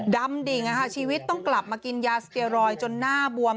ดำดิ่งชีวิตต้องกลับมากินยาสเตียรอยด์จนหน้าบวม